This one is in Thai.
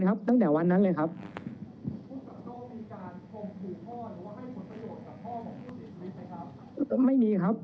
ผมยอมรับผิดครับเพราะว่าตอนนั้นก็บอกตรงว่ามันเกิดเหตุแล้วมันช็อคครับ